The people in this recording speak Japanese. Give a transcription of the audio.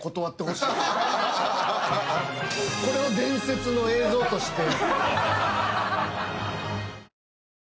これを伝説の映像として。